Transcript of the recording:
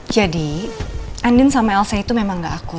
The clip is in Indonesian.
jadi andin sama elsa itu memang gak akut